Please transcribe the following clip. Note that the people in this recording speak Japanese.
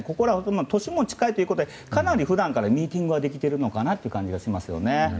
年も近いということで普段からミーティングができているのかなという気がします。